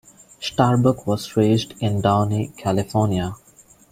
Starbuck was raised in Downey, California.